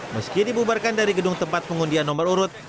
meski dibubarkan dari gedung tempat pengundian nomor urut